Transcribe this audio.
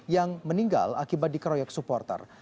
yang meninggal akibat dikeroyok supporter